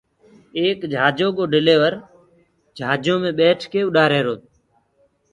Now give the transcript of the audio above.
ايڪ جھآجو ڪو ڊليورَ جھآجو مي ٻيٺڪي جھآج اُڏآهيروَ تو